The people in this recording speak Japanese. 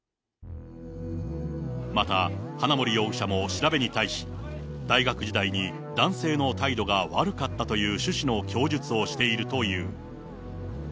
また、花森容疑者も調べに対し、大学時代に男性の態度が悪かったという趣旨の供述をしているという。